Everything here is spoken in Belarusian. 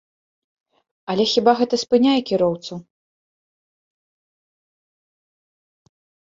Але хіба гэта спыняе кіроўцаў?